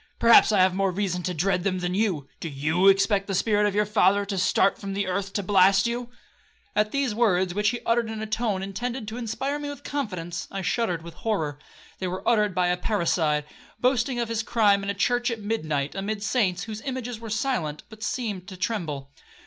perhaps I have more reason to dread them than you. Do you expect the spirit of your father to start from the earth to blast you?' At these words, which he uttered in a tone intended to inspire me with confidence, I shuddered with horror. They were uttered by a parricide, boasting of his crime in a church at midnight, amid saints, whose images were silent, but seemed to tremble.